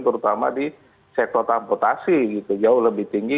terutama di sektor tapotasi jauh lebih tinggi